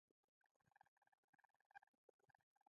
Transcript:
خلک هلته د تفریح لپاره ځي.